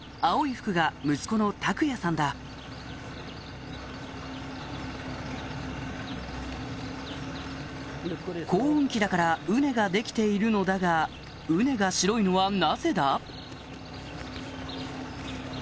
青い服が息子の卓也さんだ耕運機だから畝が出来ているのだが畝が白いのはなぜだ？